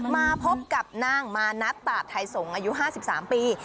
มาพบกับนางมานัดตาดไทยสงศ์อายุ๕๓ปี